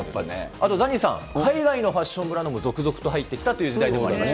あとザニーさん、海外のファッションブランドも続々と入ってきた時代でもありまし